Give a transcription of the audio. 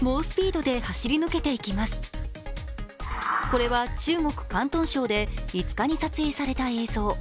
これは中国・広東省で５日に撮影された映像。